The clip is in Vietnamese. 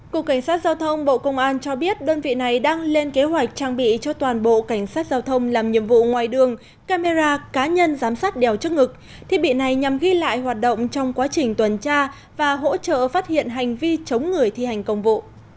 cục cảnh sát giao thông bộ công an cho biết đơn vị này đang lên kế hoạch trang bị cho toàn bộ cảnh sát giao thông làm nhiệm vụ ngoài đường camera cá nhân giám sát đèo chức ngực thiết bị này nhằm ghi lại hoạt động trong quá trình tuần tra và hỗ trợ phát hiện hành vi chống người thi hành công vụ